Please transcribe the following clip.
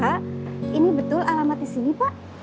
pak ini betul alamatnya segi pak